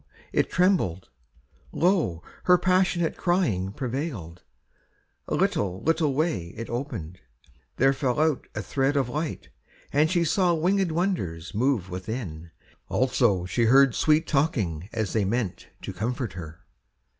it trembled, lo! her passionate Crying prevailed. A little little way It opened: there fell out a thread of light, And she saw wingèd wonders move within; Also she heard sweet talking as they meant To comfort her.